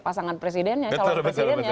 pasangan presidennya calon presidennya